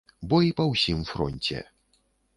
Бой па ўсім фронце.